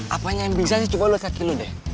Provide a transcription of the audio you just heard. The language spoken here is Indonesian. apanya yang bisa sih cuma luat kaki lu deh